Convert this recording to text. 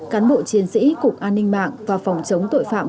cán bộ chiến sĩ cục an ninh mạng và phòng chống tội phạm